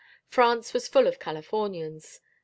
France was full of Californians.